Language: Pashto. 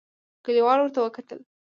کليوالو ورته وکتل.